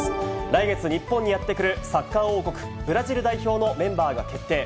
来月、日本にやって来る、サッカー王国、ブラジル代表のメンバーが決定。